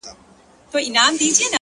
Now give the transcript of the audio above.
پر ما خوښي لكه باران را اوري!